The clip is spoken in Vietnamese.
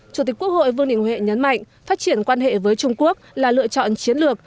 chủ tịch quốc hội vương đình huệ nhấn mạnh phát triển quan hệ với trung quốc là lựa chọn chiến lược